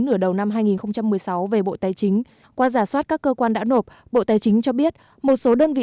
nửa đầu năm hai nghìn một mươi sáu về bộ tài chính qua giả soát các cơ quan đã nộp bộ tài chính cho biết một số đơn vị